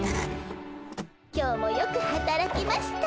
今日もよくはたらきました。